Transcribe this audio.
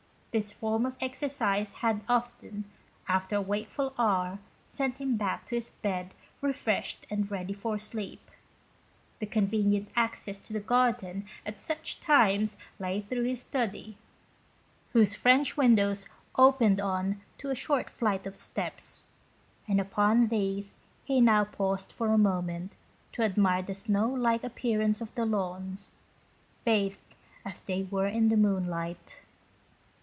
This form of exercise had often, after a wakeful hour, sent him back to his bed refreshed and ready for sleep. The convenient access to the garden at such times lay through his study, whose French windows opened on to a short flight of steps, and upon these he now paused for a moment to admire the snow like appearance of the lawns, bathed as they were in the moonlight.